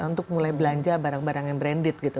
untuk mulai belanja barang barang yang branded gitu